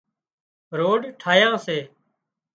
روڊ ٺاهيا سي